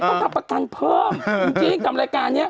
ต้องทำประกันเพิ่มจริงกับรายการนี้